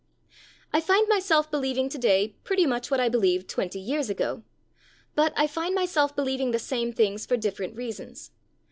I find myself believing to day pretty much what I believed twenty years ago; but I find myself believing the same things for different reasons.